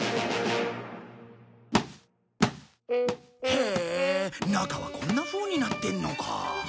へえ中はこんなふうになってるのか。